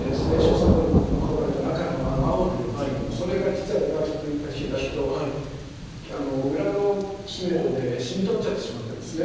硝酸コバルトの青の色ですけれどもそれが実は裏ひっくり返して頂くと裏のきめまで染み通っちゃってしまってるんですね。